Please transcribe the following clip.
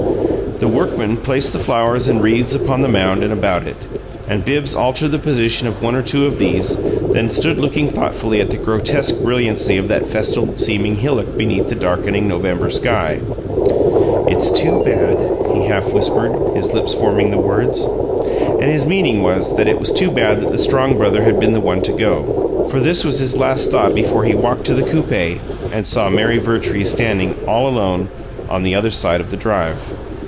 The workmen placed the flowers and wreaths upon the mound and about it, and Bibbs altered the position of one or two of these, then stood looking thoughtfully at the grotesque brilliancy of that festal seeming hillock beneath the darkening November sky. "It's too bad!" he half whispered, his lips forming the words and his meaning was that it was too bad that the strong brother had been the one to go. For this was his last thought before he walked to the coupe and saw Mary Vertrees standing, all alone, on the other side of the drive.